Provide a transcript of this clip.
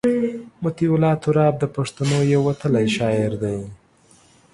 مطیع الله تراب د پښتنو یو وتلی شاعر دی.